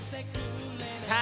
さあ